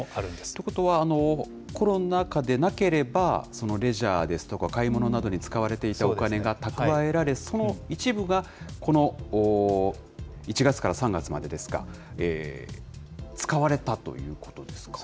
ということは、コロナ禍でなければ、レジャーですとか、買い物などに使われていたお金が蓄えられ、その一部が、この１月から３月までですか、使われたということですか？